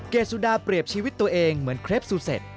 สุดาเปรียบชีวิตตัวเองเหมือนเครปซูเซ็ต